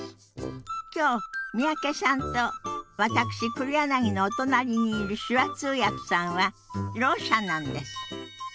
今日三宅さんと私黒柳のお隣にいる手話通訳さんはろう者なんです。